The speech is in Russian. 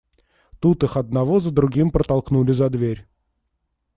Тут их одного за другим протолкнули за дверь.